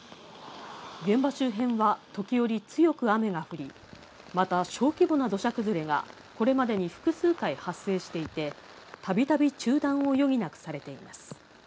現場周辺は時折、強く雨が降り、また、小規模な土砂崩れがこれまでに複数回発生していて、たびたび中断を余儀なくされています。